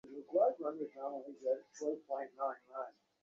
মৃত স্বামীর ইচ্ছানুযায়ী বেগম পারা তার বাড়িতে একটি সায়েরী প্রতিযোগিতার আয়োজন করে।